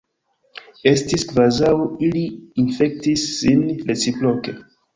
Estis kvazaŭ ili infektis sin reciproke.